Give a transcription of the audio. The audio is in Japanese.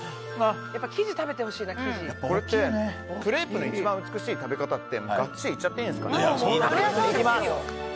クレープの一番美しい食べ方でがっつり行っちゃっていいですかね。